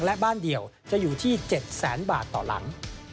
และบ้านเดียวจะอยู่ที่๗แสนบาทต่อหลัง